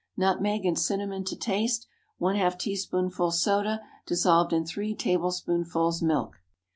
Nutmeg and cinnamon to taste. ½ teaspoonful soda dissolved in three tablespoonfuls milk.